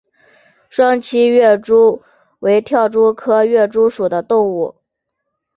双栖跃蛛为跳蛛科跃蛛属的动物。